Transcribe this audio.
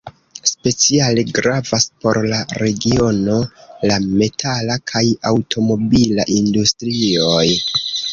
Speciale gravas por la regiono la metala kaj aŭtomobila industrioj.